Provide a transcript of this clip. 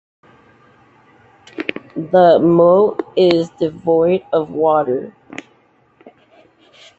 The moat is devoid of water.